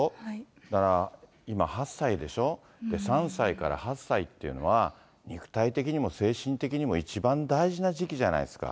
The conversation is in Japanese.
だから今８歳でしょ、３歳から８歳っていうのは、肉体的にも精神的にも一番大事な時期じゃないですか。